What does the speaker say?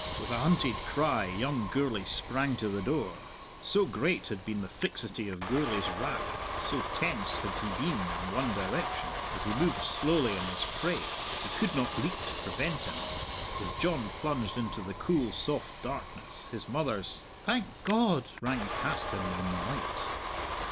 With a hunted cry young Gourlay sprang to the door. So great had been the fixity of Gourlay's wrath, so tense had he been in one direction, as he moved slowly on his prey, that he could not leap to prevent him. As John plunged into the cool, soft darkness, his mother's "Thank God!" rang past him on the night.